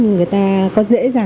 người ta có dễ dàng